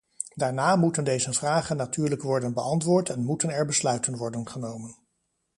Daarna moeten deze vragen natuurlijk worden beantwoord en moeten er besluiten worden genomen.